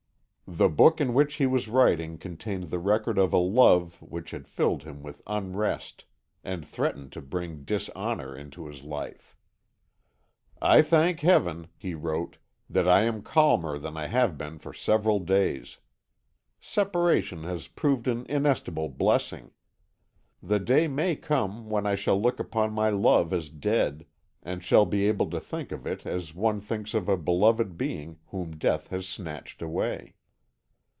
The book in which he was writing contained the record of a love which had filled him with unrest, and threatened to bring dishonor into his life. "I thank Heaven," he wrote, "that I am calmer than I have been for several days. Separation has proved an inestimable blessing. The day may come when I shall look upon my love as dead, and shall be able to think of it as one thinks of a beloved being whom death has snatched away.